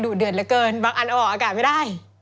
เดือดเหลือเกินบางอันเอาออกอากาศไม่ได้